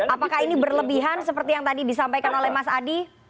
apakah ini berlebihan seperti yang tadi disampaikan oleh mas adi